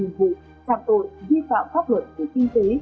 ba mươi bốn hình vụ phạt tội vi phạm pháp luật về kinh tế